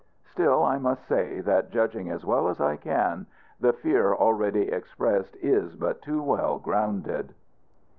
Still I must say that, judging as well as I can, the fear already expressed is but too well grounded.